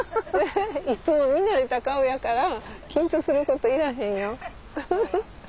いつも見慣れた顔やから緊張することいらへんよ。